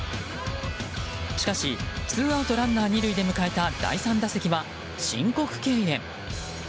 しかし、ツーアウトランナー２塁で迎えた第３打席は申告敬遠。